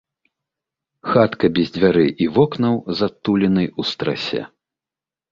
Хатка без дзвярэй і вокнаў, з адтулінай у страсе.